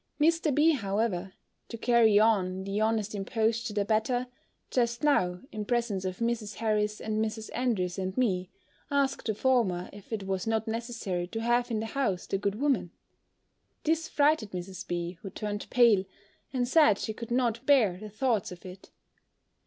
Mr. B. however, to carry on the honest imposture the better, just now, in presence of Mrs. Harris, and Mrs. Andrews, and me, asked the former, if it was not necessary to have in the house the good woman? This frighted Mrs. B. who turned pale, and said she could not bear the thoughts of it.